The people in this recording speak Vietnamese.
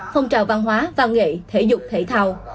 phong trào văn hóa văn nghệ thể dục thể thao